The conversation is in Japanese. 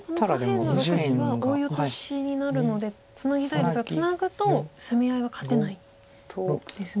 この下辺の６子はオイオトシになるのでツナぎたいですがツナぐと攻め合いは勝てないんですね？